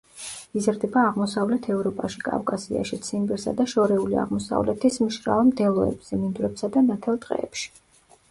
იზრდება აღმოსავლეთ ევროპაში, კავკასიაში, ციმბირსა და შორეული აღმოსავლეთის მშრალ მდელოებზე, მინდვრებსა და ნათელ ტყეებში.